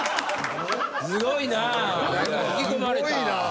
すごいな。